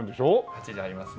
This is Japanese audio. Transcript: ８０ありますね。